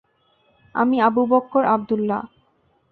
আমি আবু বকর আবদুল্লাহ!